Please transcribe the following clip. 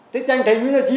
thế tranh thấy như thế gì